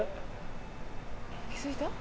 気付いた？